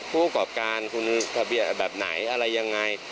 พวกประกอบการคุณภาพแบบไหนอะไรยังไง